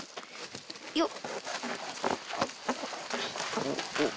よっ。